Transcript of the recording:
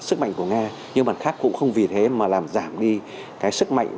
sức mạnh của nga nhưng bản khác cũng không vì thế mà làm giảm đi cái sức mạnh